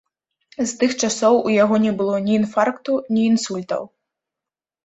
З тых часоў у яго не было ні інфаркту, ні інсультаў.